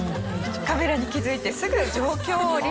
カメラに気づいてすぐ状況を理解。